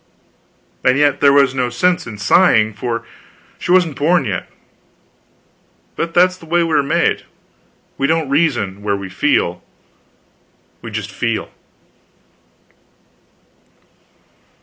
And yet there was no sense in sighing, for she wasn't born yet. But that is the way we are made: we don't reason, where we feel; we just feel.